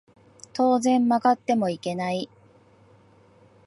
当然曲がってもいけない